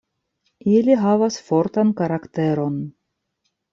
Ili havas fortan karakteron.